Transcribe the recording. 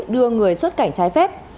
đưa người xuất cảnh trái phép